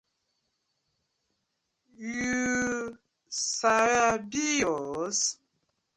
Yu sabi us?